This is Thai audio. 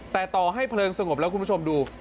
แต่ต่อให้เพลิงสงบแล้วคุณผู้ชมดู